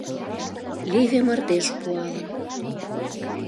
леве мардеж пуалын.